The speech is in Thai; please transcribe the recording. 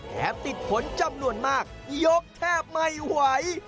ติดผลจำนวนมากยกแทบไม่ไหว